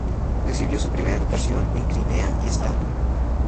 Recibió su primera educación en Crimea y Estambul.